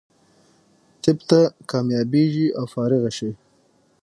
طب ته کامیابېږي او فارغه شي.